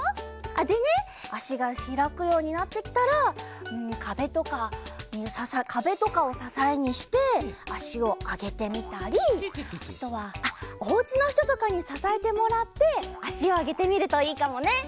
でねあしがひらくようになってきたらかべとかをささえにしてあしをあげてみたりあとはあっおうちのひととかにささえてもらってあしをあげてみるといいかもね！